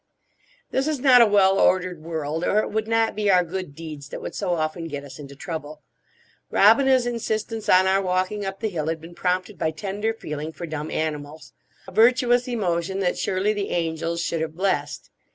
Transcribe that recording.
This is not a well ordered world, or it would not be our good deeds that would so often get us into trouble. Robina's insistence on our walking up the hill had been prompted by tender feeling for dumb animals: a virtuous emotion that surely the angels should have blessed.